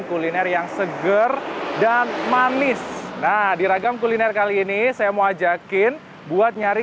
kuliner yang seger dan manis nah di ragam kuliner kali ini saya mau ajakin buat nyari